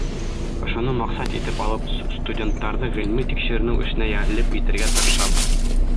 Ошоно маҡсат итеп алып, студенттарҙы ғилми-тикшеренеү эшенә йәлеп итергә тырышабыҙ.